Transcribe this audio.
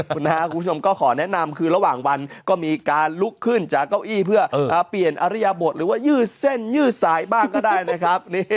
คุณผู้ชมก็ขอแนะนำคือระหว่างวันก็มีการลุกขึ้นจากเก้าอี้เพื่อเปลี่ยนอริยบทหรือว่ายืดเส้นยืดสายบ้างก็ได้นะครับ